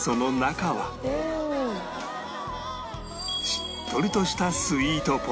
しっとりとしたスイートポテトが